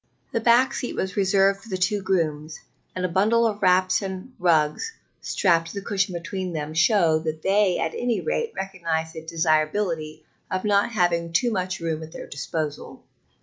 The back seat was reserved for the two grooms, and a bundle of wraps and rugs strapped to the cushion between them showed that they at any rate recognized the desirability of not having too much room at their disposal.